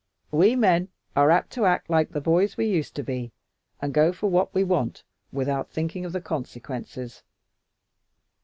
We men are apt to act like the boys we used to be and go for what we want without thinking of the consequences."